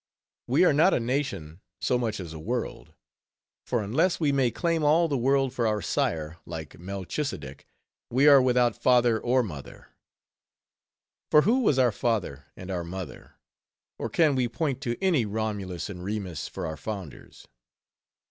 We are not a nation, so much as a world; for unless we may claim all the world for our sire, like Melchisedec, we are without father or mother. For who was our father and our mother? Or can we point to any Romulus and Remus for our founders?